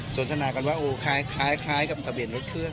สนทนากันว่าคล้ายกับทะเบียนรถเครื่อง